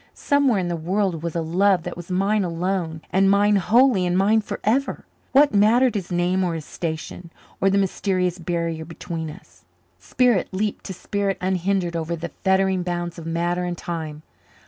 Somewhere in the world was a love that was mine alone and mine wholly and mine forever. What mattered his name or his station, or the mysterious barrier between us? Spirit leaped to spirit unhindered over the fettering bounds of matter and time.